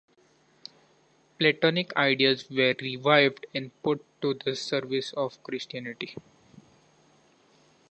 Platonic ideas were revived and put to the service of Christianity.